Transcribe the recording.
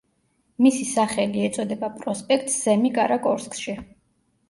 მისი სახელი ეწოდება პროსპექტს სემიკარაკორსკში.